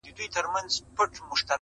چي ته څوک یې ته پر کوم لوري روان یې؛